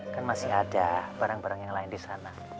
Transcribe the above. kan masih ada barang barang yang lain disana